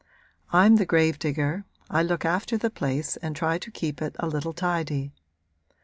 I'm the grave digger, I look after the place and try to keep it a little tidy.